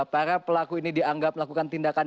para pelaku ini dianggap melakukan tindakan